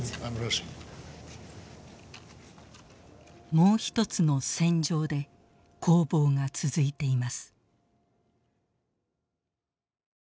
もうひとつの「戦場」で攻防が続いています。